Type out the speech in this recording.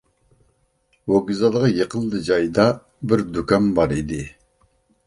ۋوگزالغا يېقىنلا جايدا بىر دۇكان بار ئىدى.